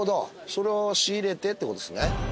それを仕入れてって事ですね。